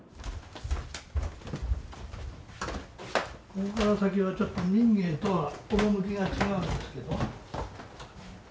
ここから先はちょっと民藝とは趣が違うんですけど。